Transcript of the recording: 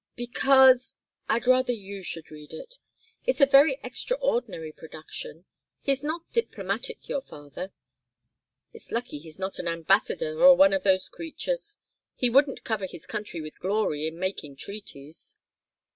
"Because I'd rather you should read it. It's a very extraordinary production. He's not diplomatic your father. It's lucky he's not an ambassador or one of those creatures. He wouldn't cover his country with glory in making treaties."